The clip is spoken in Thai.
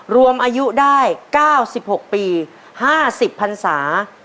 รวมอายุได้๙๖ปี๕๐พันศา